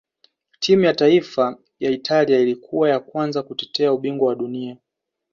timu ya taifa ya italia ilikuwa ya kwanza kutetea ubingwa wa dunia